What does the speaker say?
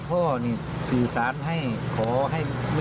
เพราะไม่เคยถามลูกสาวนะว่าไปทำธุรกิจแบบไหนอะไรยังไง